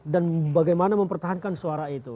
dan bagaimana mempertahankan suara itu